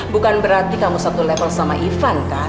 bukan berarti kamu satu level sama ivan kan